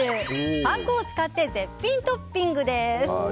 パン粉を使って絶品トッピングです。